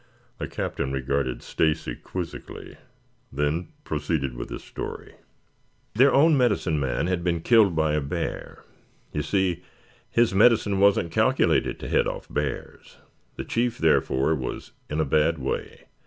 The Captain regarded Stacy quizzically, then proceeded with his story. "Their own medicine man had been killed by a bear. You see his medicine wasn't calculated to head off bears. The chief, therefore, was in a bad way.